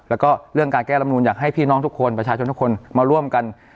แล้วก็เรื่องการแก้ลำนูนอยากให้พี่น้องทุกคนประชาชนทุกคนมาร่วมกัน